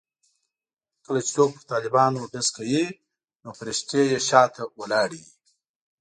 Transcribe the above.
کله چې څوک پر طالبانو ډز کوي نو فرښتې یې شا ته ولاړې وي.